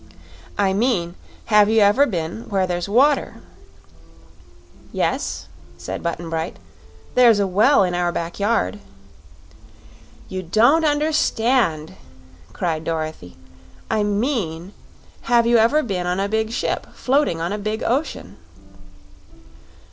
"I mean, have you ever been where there's water?" "Yes," said Button Bright; "there's a well in our back yard." "You don't understand," cried Dorothy. "I mean, have you ever been on a big ship floating on a big ocean?"